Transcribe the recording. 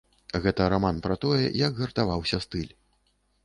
Гэта раман пра тое, як гартаваўся стыль.